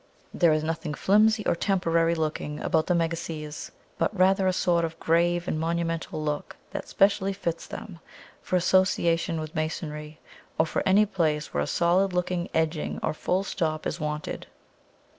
There is nothing flimsy or temporary looking about the Megaseas, but rather a sort of grave and monumental look that specially fits them for association with masonry, or for any place where a solid looking edging or full stop is wanted.